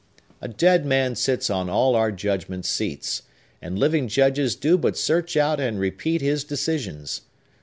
A dead man sits on all our judgment seats; and living judges do but search out and repeat his decisions.